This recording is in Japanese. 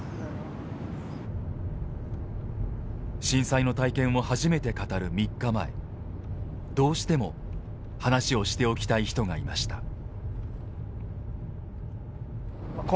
震災の体験を初めて語る３日前どうしても話をしておきたい人がいました。